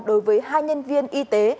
đối với hai nhân viên y tế